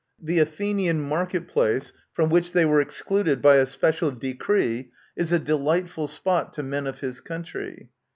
The Athenian market place, from which they were excluded by a special decree, is a delightful spot to men of his country.